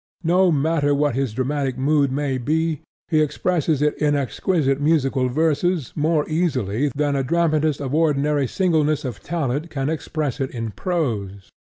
No matter what his dramatic mood may be, he expresses it in exquisite musical verses more easily than a dramatist of ordinary singleness of talent can express it in prose.